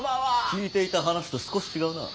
聞いていた話と少し違うなあ。